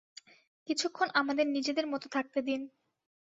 কিছুক্ষণ আমাদের নিজেদের মতো থাকতে দিন।